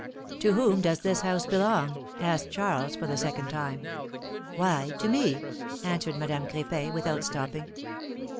^^To whom does this house belong asked Charles, for the second time. '^Why, to me!^^ answered Madame Cr^pin, without stopping.